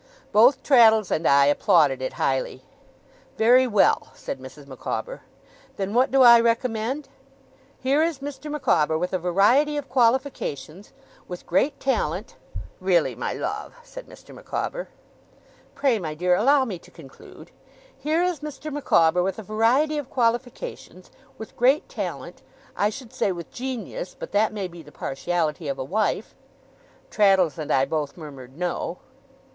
Both Traddles and I applauded it highly. 'Very well,' said Mrs. Micawber. 'Then what do I recommend? Here is Mr. Micawber with a variety of qualifications with great talent ' 'Really, my love,' said Mr. Micawber. 'Pray, my dear, allow me to conclude. Here is Mr. Micawber, with a variety of qualifications, with great talent I should say, with genius, but that may be the partiality of a wife ' Traddles and I both murmured 'No.